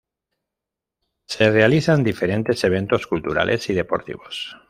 Se realizan diferentes eventos culturales y deportivos.